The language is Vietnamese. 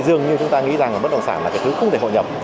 dường như chúng ta nghĩ rằng bất động sản là thứ không thể hội nhập